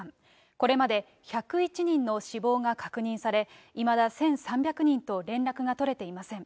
これまで１０１人の死亡が確認され、いまだ１３００人と連絡が取れていません。